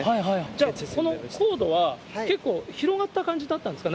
じゃあ、このコードは結構、広がった感じだったんですか？